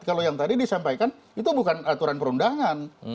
kalau yang tadi disampaikan itu bukan aturan perundangan